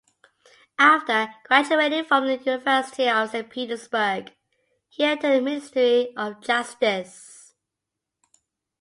After graduating from the University of Saint Petersburg, he entered the Ministry of Justice.